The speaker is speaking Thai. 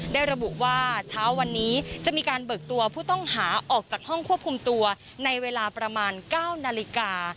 ระบุว่าเช้าวันนี้จะมีการเบิกตัวผู้ต้องหาออกจากห้องควบคุมตัวในเวลาประมาณ๙นาฬิกา